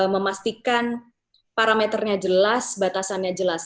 memastikan parameternya jelas batasannya jelas